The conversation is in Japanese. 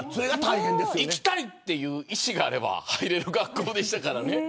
行きたいという意思があれば入れる学校でした。